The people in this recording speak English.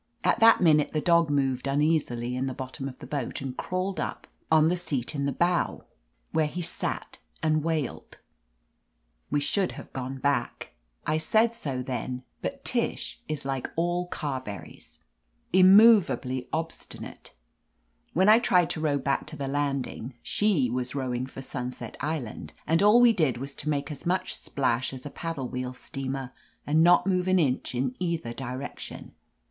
At that minute the dog moved uneasily in the bottom of the boat and crawled up on tL .;.'iat in the bow, where he sat and wailed. We should have gone back. I said so then, but Tish is like all the Carberrys — immovably 305 THE AMAZING ADVENTURES obstinate. When I tried to row back to the landing, she was rowing for Sunset Island, and all we did was to make as much splash as a paddle wheel steamer, and not move an inch in either direction.